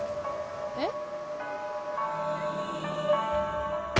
えっ？